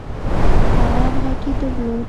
ارامه غږ يې درلود